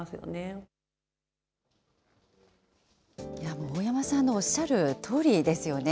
もう大山さんのおっしゃるとおりですよね。